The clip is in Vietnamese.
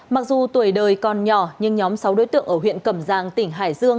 mặc dù tuổi đời còn nhỏ nhưng nhóm sáu đối tượng ở huyện cẩm giang tỉnh hải dương